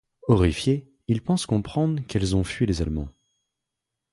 Horrifié, il pense comprendre qu'elles ont fui les Allemands.